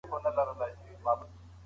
هغه پوه شو چې تېر وخت هم لري.